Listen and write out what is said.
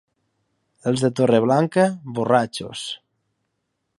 Els de Torreblanca, borratxos.